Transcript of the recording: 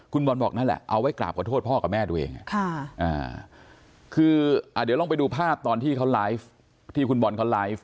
คุณบอลบอกนั่นแหละเอาไว้กราบขอโทษพ่อกับแม่ตัวเองคือเดี๋ยวลองไปดูภาพตอนที่เขาไลฟ์ที่คุณบอลเขาไลฟ์